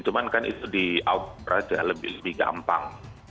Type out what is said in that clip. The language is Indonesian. cuma kan itu di australia lebih gampang